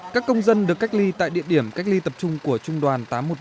các công dân được cách ly tại địa điểm cách ly tập trung của trung đoàn tám trăm một mươi năm